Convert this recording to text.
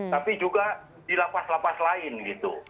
tapi juga di lapas lapas lain gitu